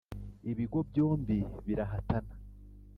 ibigo byombi birahatana.